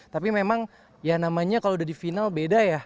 tapi memang ya namanya kalau udah di final beda ya